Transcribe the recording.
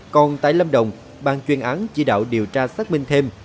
còn tại lâm đồng ban chuyên án chỉ đạo điều tra xác minh thêm